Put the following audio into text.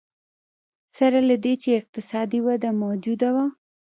سره له دې چې اقتصادي وده موجوده وه.